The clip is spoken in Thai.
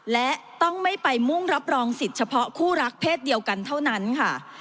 และต้องไม่ไปมุ่งรับรองสิทธิ์เฉพาะคู่รักเพศเดียวกันเท่านั้นค่ะ